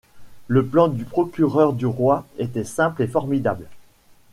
Le plan du procureur du roi était simple et formidable.